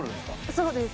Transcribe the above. そうです。